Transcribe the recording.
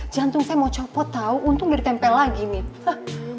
jantung saya mau copot tau untung udah ditempel lagi nih pak